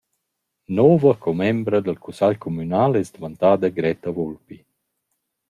Nouva commembra dal cussagl cumünal es dvantada Gretta Vulpi.